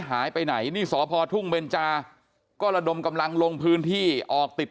หายไปไหนนี่สพทุ่งเบนจาก็ระดมกำลังลงพื้นที่ออกติด